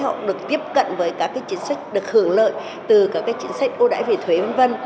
họ được tiếp cận với các chiến sách được hưởng lợi từ các chiến sách ưu đãi về thuế v v